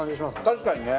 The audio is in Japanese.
確かにね。